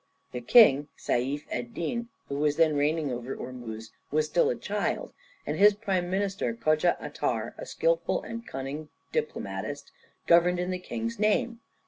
The King, Seif Ed din, who was then reigning over Ormuz, was still a child, and his Prime Minister, Kodja Atar, a skilful and cunning diplomatist, governed in the king's name.